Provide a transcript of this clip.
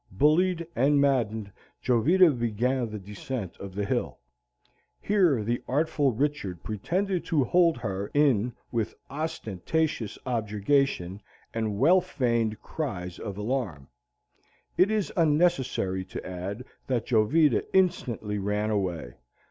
Bullied and maddened, Jovita began the descent of the hill. Here the artful Richard pretended to hold her in with ostentatious objurgation and well feigned cries of alarm. It is unnecessary to add that Jovita instantly ran away.